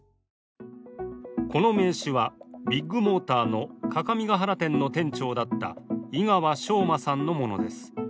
この名刺はビッグモーターの各務原店の店長だった井川翔馬さんのものです。